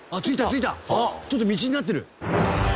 ちょっと道になってる。